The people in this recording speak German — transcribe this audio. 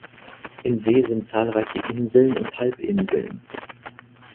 Im See sind zahlreiche Inseln und Halbinseln.